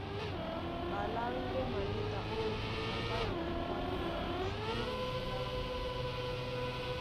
Ɓaláŋgɛ́ maléta ó mikuta ɓá yɔkí kwála ná di sí tɔ́ndi láŋga;